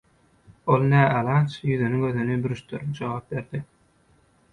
Ol nälaç, ýüzüni-gözüni bürüşdirip jogap berdi: